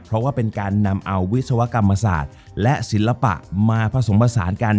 เพราะว่าเป็นการนำเอาวิศวกรรมศาสตร์และศิลปะมาผสมผสานกัน